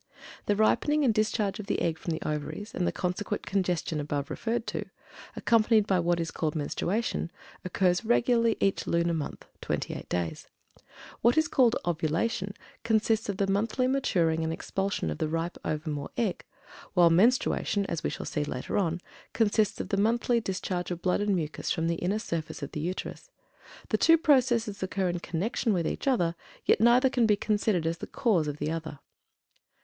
The ripening and discharge of the egg from the Ovaries, and the consequent congestion above referred to, accompanied by what is called Menstruation, occurs regularly each lunar month (28 days). What is called Ovulation consists of the monthly maturing and expulsion of the ripe ovum or egg, while Menstruation (as we shall see later on) consists of the monthly discharge of blood and mucus from the inner surface of the Uterus; the two processes occur in connection with each other, yet neither can be considered as the cause of the other.